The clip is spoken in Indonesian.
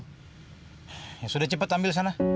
ya sudah cepet ambil sana